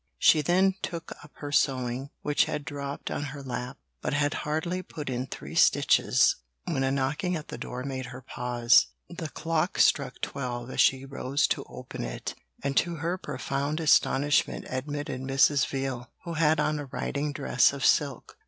She then took up her sewing, which had dropped on her lap, but had hardly put in three stitches when a knocking at the door made her pause. The clock struck twelve as she rose to open it, and to her profound astonishment admitted Mrs. Veal, who had on a riding dress of silk.